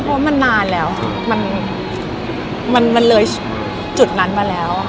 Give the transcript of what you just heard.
ไม่เพราะมันนานแล้วมันมันมันเลยจุดนั้นมาแล้ว